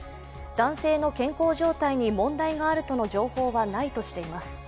男性の健康状態に問題があるとの情報はないとしています。